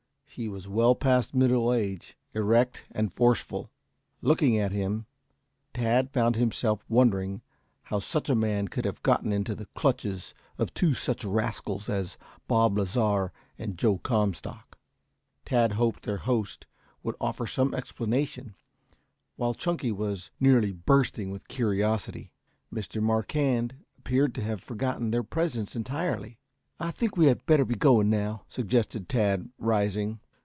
He was well past middle age, erect and forceful. Looking at him, Tad found himself wondering how such a man could have gotten into the clutches of two such rascals as Bob Lasar and Joe Comstock. Tad hoped their host would offer some explanation, while Chunky was nearly bursting with curiosity. Mr. Marquand appeared to have forgotten their presence entirely. "I think we had better be going now," suggested Tad, rising.